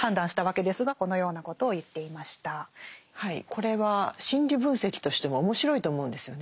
これは心理分析としても面白いと思うんですよね。